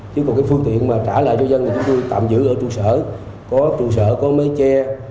chứ còn cái phương tiện mà trả lại cho dân thì chúng tôi tạm giữ ở trụ sở có trụ sở có máy che